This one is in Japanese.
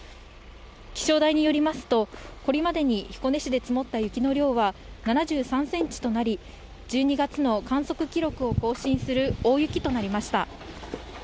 気象台によりますと、これまでに彦根市で積もった雪の量は、７３センチとなり、１２月の観測記録を更新する大雪となりました。